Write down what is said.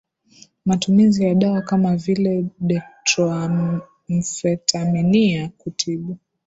matumizi ya dawa kama vile dektroamfetaminiya kutibu